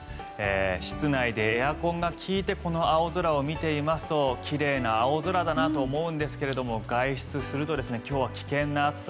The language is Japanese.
室内でエアコンが利いてこの青空を見ていますと奇麗な青空だなと思うんですけれども外出すると今日は危険な暑さ。